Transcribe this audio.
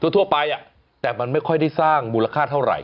ทั่วไปแต่มันไม่ค่อยได้สร้างมูลค่าเท่าไหร